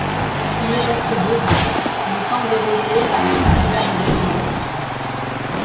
Il y reste deux ans, le temps d'évoluer avec la réserve des Merlus.